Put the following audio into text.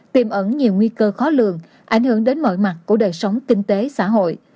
tiềm ẩn nhiều nguy cơ khó lường ảnh hưởng đến mọi mặt của đời sống kinh tế xã hội